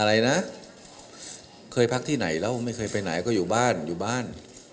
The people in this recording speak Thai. อะไรนะเคยพักที่ไหนแล้วไม่เคยไปไหนก็อยู่บ้านอยู่บ้าน